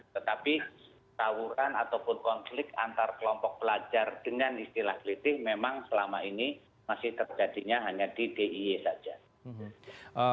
tetapi tawuran ataupun konflik antar kelompok pelajar dengan istilah kleti memang selama ini masih terjadinya hanya di diy saja